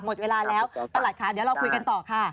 หมดเวลาแล้วประหลัดค่ะเดี๋ยวเราคุยกันต่อค่ะ